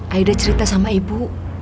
aida cerita sama ibu